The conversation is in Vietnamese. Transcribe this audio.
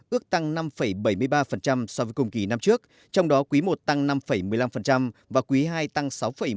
ước tăng năm bảy mươi ba so với cùng kỳ năm trước trong đó quý i tăng năm một mươi năm và quý ii tăng sáu một mươi